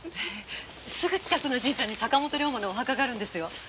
すぐ近くの神社に坂本龍馬のお墓があるんですよ。